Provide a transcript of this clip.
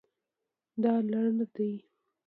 دا لنډ دی